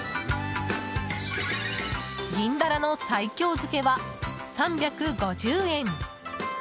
ギンダラの西京漬けは３５０円。